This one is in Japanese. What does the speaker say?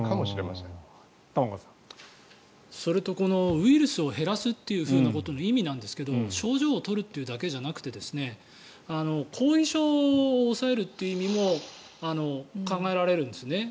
ウイルスを減らすということの意味ですが症状を取るということだけじゃなく後遺症を抑えるという意味も考えられるんですね。